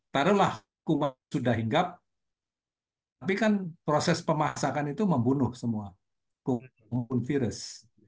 taruhlah kuma sudah hinggap tapi kan proses pemasakan itu membunuh semua virus